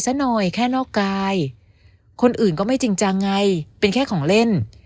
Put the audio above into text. ซะหน่อยแค่นอกกายคนอื่นก็ไม่จริงจังไงเป็นแค่ของเล่น